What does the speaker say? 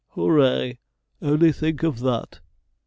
'Ho o ray! Only think of that!'